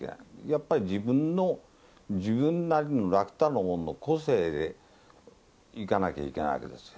やっぱり自分の、自分なりの楽太郎の個性でいかなきゃいけないわけです。